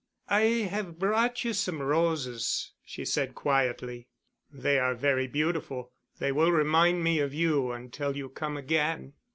"I have brought you some roses," she said quietly. "They are very beautiful. They will remind me of you until you come again."